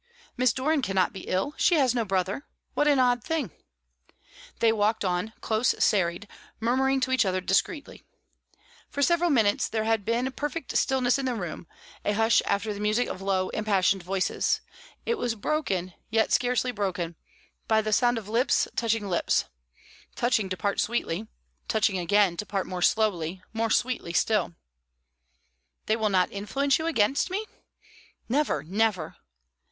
"Miss Doran cannot be ill. She has no brother. What an odd thing!" They walked on, close serried, murmuring to each other discreetly.... For several minutes there had been perfect stillness in the room, a hush after the music of low, impassioned voices. It was broken, yet scarcely broken, by the sound of lips touching lips touching to part sweetly, touching again to part more slowly, more sweetly still. "They will not influence you against me?" "Never! never!"